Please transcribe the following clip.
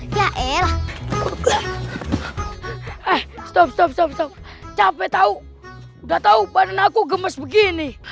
hai hai hai hai hai ya elah eh stop stop capek tahu udah tahu badan aku gemes begini